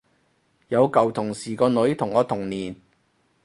有舊同事個女同我同年